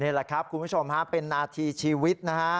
นี่แหละครับคุณผู้ชมฮะเป็นนาทีชีวิตนะฮะ